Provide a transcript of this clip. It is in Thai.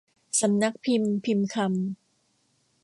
สำนักพิมพ์พิมพ์คำ